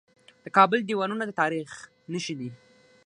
د کابل دیوالونه د تاریخ نښې دي